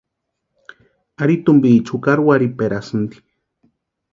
Ari tumpiecha jukari warhiperasïnti.